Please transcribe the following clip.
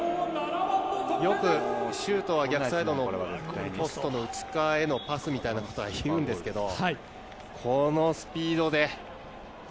よくシュートは逆サイドのポストの内側へのパスみたいなのはあるんですけどこのスピードで。